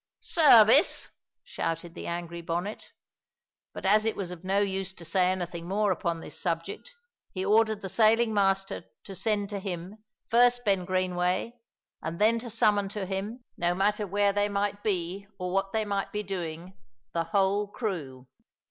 "Service!" shouted the angry Bonnet. But as it was of no use to say anything more upon this subject, he ordered the sailing master to send to him, first, Ben Greenway, and then to summon to him, no matter where they might be or what they might be doing, the whole crew.